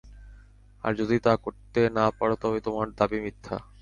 আর যদি তা করতে না পার তবে তোমার দাবি মিথ্যা।